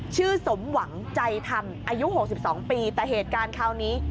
สมหวังใจธรรมอายุ๖๒ปีแต่เหตุการณ์คราวนี้